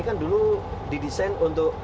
kan dulu didesain untuk